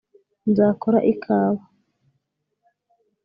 Nzakora ikawa